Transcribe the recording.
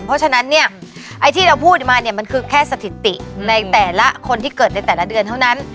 เพราะฉะนั้นเนี่ยไอ้ที่เราพูดมาเนี่ยมันคือแค่สถิติในแต่ละคนที่เกิดในแต่ละเดือนเท่านั้น